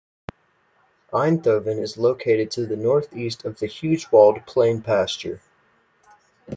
Einthoven is located to the northeast of the huge walled plain Pasteur.